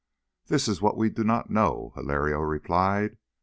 "That is what we do not know," Hilario replied.